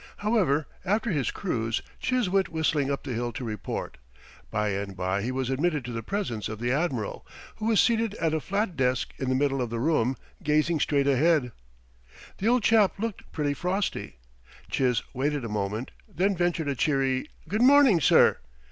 However, after his cruise, Chiz went whistling up the hill to report. By and by he was admitted to the presence of the admiral, who was seated at a flat desk in the middle of the room, gazing straight ahead. The old chap looked pretty frosty. Chiz waited a moment, then ventured a cheery "Good morning, sir."